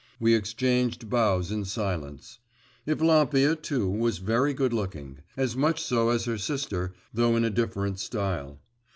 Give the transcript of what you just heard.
We exchanged bows in silence. Evlampia, too, was very good looking; as much so as her sister, though in a different style.